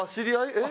えっ？